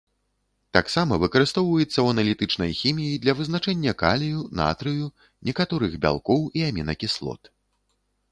Таксама выкарыстоўваецца ў аналітычнай хіміі для вызначэння калію, натрыю, некаторых бялкоў і амінакіслот.